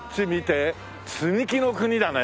積み木の国だね。